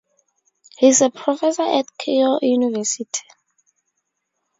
He is a professor at Keio University.